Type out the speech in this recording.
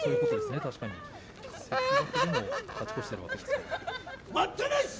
関脇でも勝ち越しているわけですね。